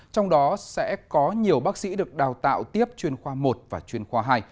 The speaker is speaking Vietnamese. trong đó sẽ có nhiều bác sĩ được đào tạo tiếp chuyên khoa một và chuyên khoa hai